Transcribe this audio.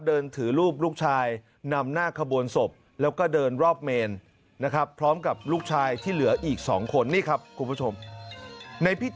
เดินถือลูกลูกชายนำหน้าขบวนศพ